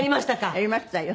やりましたよ。